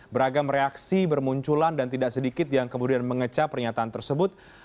beragam reaksi bermunculan dan tidak sedikit yang kemudian mengecah pernyataan tersebut